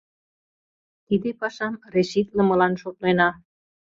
Тиде пашам решитлымылан шотлена.